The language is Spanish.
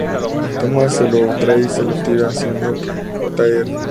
Thomas se lo trae y se lo tira, haciendo que Jr.